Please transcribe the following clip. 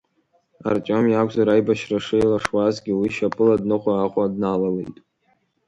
Артиом иакәзар, аибашьра шеилашуазгьы, уи шьапыла дныҟәо Аҟәа дналалеит.